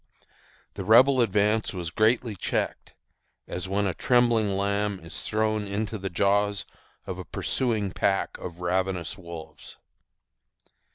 The Rebel advance was greatly checked, as when a trembling lamb is thrown into the jaws of a pursuing pack of ravenous wolves.